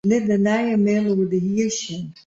Lit de nije mail oer de hier sjen.